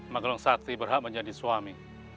magelang sakti berhak menjadi suami